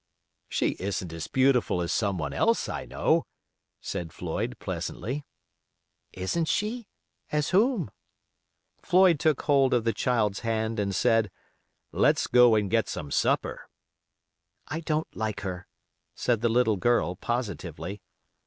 "She isn't as beautiful as someone else I know," said Floyd, pleasantly. "Isn't she? As whom?" Floyd took hold of the child's hand and said, "Let's go and get some supper." "I don't like her," said the little girl, positively.